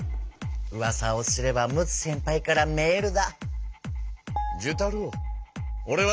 うわさをすれば陸奥先輩からメールだ。